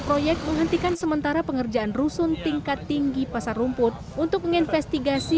proyek menghentikan sementara pengerjaan rusun tingkat tinggi pasar rumput untuk menginvestigasi